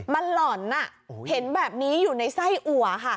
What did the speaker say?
มันหล่อนเห็นแบบนี้อยู่ในไส้อัวค่ะ